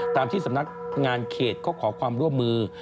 ตามที่สำนักงานเขตเขาขอความร่วมมือ